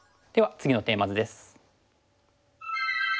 次のテーマ図です。